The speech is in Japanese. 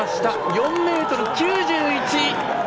４ｍ９１！